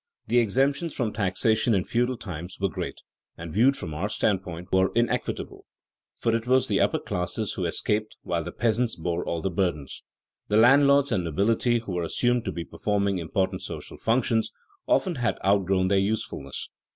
The exemptions from taxation in feudal times were great, and viewed from our standpoint were inequitable, for it was the upper classes who escaped while the peasants bore all the burdens. The landlords and nobility who were assumed to be performing important social functions, often had outgrown their usefulness.